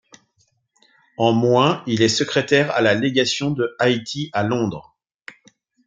En -, il est secrétaire à la légation de Haïti à Londres.